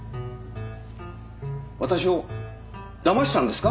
私をだましたんですか？